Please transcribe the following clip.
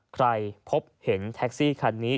ใครพบเห็นแท็กซี่คันนี้